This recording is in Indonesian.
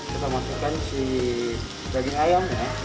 kita masukkan si daging ayam ya